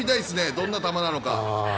どんな球なのか。